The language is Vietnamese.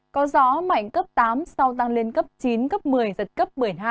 có gió mạnh cấp tám sau tăng lên cấp chín cấp một mươi giật cấp một mươi hai